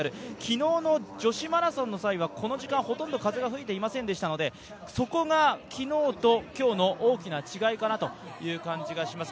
昨日の女子マラソンの際はこの時間ほとんど風が吹いてませんでしたのでそこが昨日と今日の大きな違いかなという感じがします。